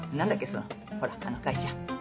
そのほらあの会社。